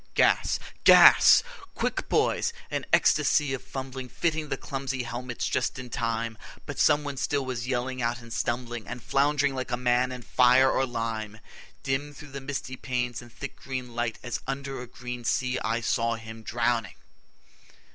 Gas! GAS! Quick, boys! An ecstasy of fumbling Fitting the clumsy helmets just in time, But someone still was yelling out and stumbling And flound'ring like a man in fire or lime. Dim through the misty panes and thick green light, As under a green sea, I saw him drowning.